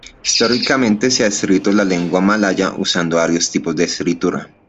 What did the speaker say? Históricamente, se ha escrito la lengua malaya usando varios tipos de escritura.